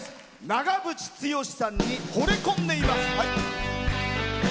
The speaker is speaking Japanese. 長渕剛さんに、ほれ込んでいます。